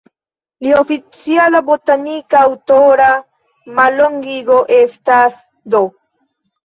Lia oficiala botanika aŭtora mallongigo estas "D.".